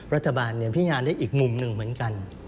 รัฐบาลเนี่ยพี่ยานได้อีกมุมหนึ่งเหมือนกัน